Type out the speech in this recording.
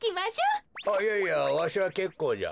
あっいやいやわしはけっこうじゃ。